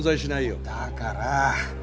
だから！